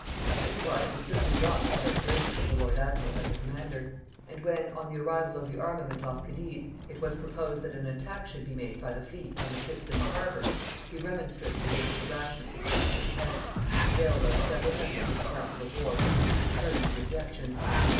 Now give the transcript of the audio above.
Enterprise was certainly not the characteristic of the lord admiral as a commander; and when on the arrival of the armament off Cadiz, it was proposed that an attack should be made by the fleet on the ships in the harbour, he remonstrated against the rashness of such an attempt, and prevailed on several members of the council of war to concur in his objections.